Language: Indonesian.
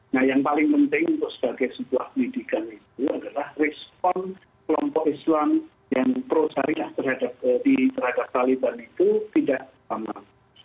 nah yang paling penting untuk sebagai sebuah pendidikan itu adalah respon kelompok islam yang pro syariah terhadap taliban itu tidak sama